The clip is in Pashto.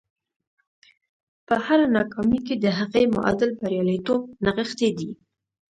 په هره ناکامي کې د هغې معادل برياليتوب نغښتی دی.